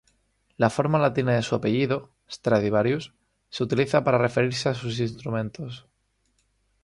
La forma latina de su apellido, Stradivarius, se utiliza para referirse a sus instrumentos.